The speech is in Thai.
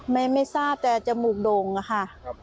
ไม่ไม่ทราบแต่จมูกโด่งอะค่ะ